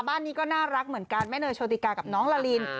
บ้านนี้ก็น่ารักเหมือนกันแม่เนยโชติกากับน้องลาลิน